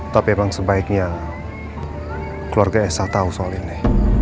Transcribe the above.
tapi emang sebaiknya keluarga elsa tau soal ini